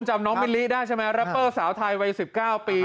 น้องมิลลิได้ใช่ไหมรัปเปอร์สาวไทยวัย๑๙ปี